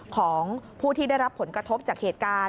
ของผู้ที่ได้รับผลกระทบจากเหตุการณ์